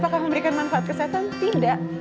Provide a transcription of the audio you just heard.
apakah memberikan manfaat kesehatan tidak